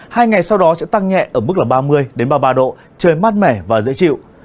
hai ngày sau đó sẽ tăng nhẹ ở mức ba mươi ba mươi ba độ trời mát mẻ và dễ chịu